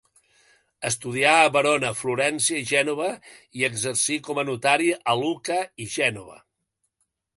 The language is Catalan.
Estudià a Verona, Florència i Gènova i exercí com a notari a Lucca i Gènova.